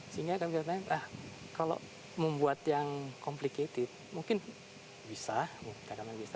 di dalam di dalam client web ini ini